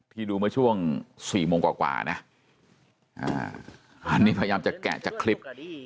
ดูเมื่อช่วง๔โมงกว่านะอันนี้พยายามจะแกะจากคลิป